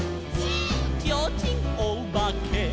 「ちょうちんおばけ」「」